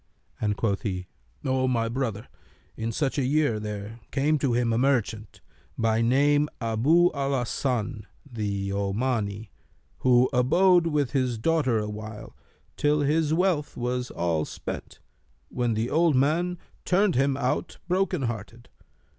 and quoth he, 'O my brother, in such a year there came to him a merchant, by name Abu al Hasan the Omani, who abode with his daughter awhile, till his wealth was all spent, when the old man turned him out, broken hearted.